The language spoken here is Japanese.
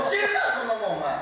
そんなもんお前。